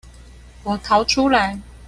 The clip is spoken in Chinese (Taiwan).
我逃出來